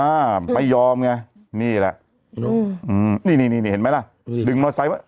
อ่าพยายามไงนี่แหละอืมนี่นี่นี่เห็นไหมล่ะดึงเงินไซส์